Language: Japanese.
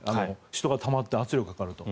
人がたまって圧力がかかると。